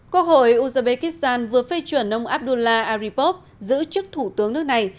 quốc hội uzbekistan vừa phê chuẩn ông abdullah aripov giữ chức thủ tướng nước này